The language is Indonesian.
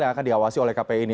yang akan diawasi oleh kpi ini